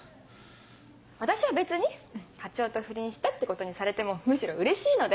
私は別に課長と不倫したってことにされてもむしろうれしいので。